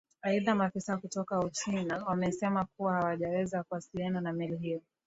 aidhaa maafisa kutoka uchina wamesema kuwa hawajaweza kuasiliana na meli hiyo